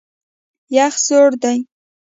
یخ سوړ دی.